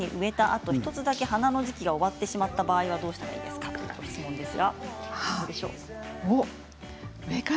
あと１つだけ花の時期が終わってしまった場合はどうしたらいいですか、ということです。